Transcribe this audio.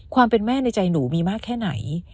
ความเป็นแม่ในใจหนูมีมากแค่ไหน